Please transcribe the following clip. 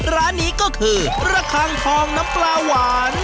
ร้านนี้ก็คือระคังทองน้ำปลาหวาน